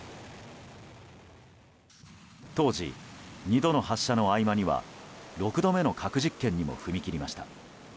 当時、２度の発射の合間には６度目の核実験にも踏み切りました。